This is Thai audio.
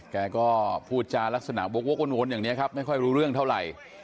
แกก็พูดจารักษณวกวนอย่างนี้ครับไม่ค่อยรู้เรื่องเท่าไหร่